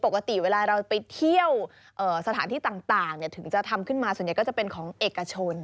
ปกติเวลาเราไปเที่ยวสถานที่ต่างถึงจะทำขึ้นมาส่วนใหญ่ก็จะเป็นของเอกชน